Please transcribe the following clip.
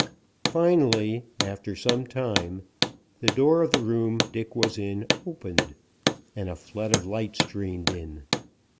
Finally, after some time, the door of the room Dick was in opened, and a flood of light streamed in.